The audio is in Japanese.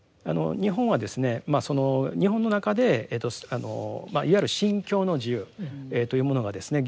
日本はですねまあその日本の中でいわゆる信教の自由というものがですね